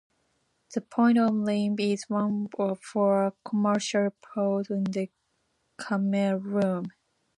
The Port of Limbe is one of four commercial ports in Cameroon.